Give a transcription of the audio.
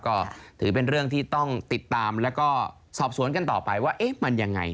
ก็ถือเป็นเรื่องที่ต้องติดตามแล้วก็สอบสวนกันต่อไปว่าเอ๊ะมันยังไง